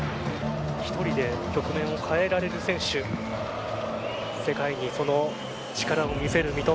１人で局面を変えられる選手世界にその力を見せる、三笘。